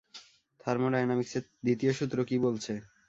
থার্মোডায়নামিক্সের দ্বিতীয় সূত্র কী বলছে?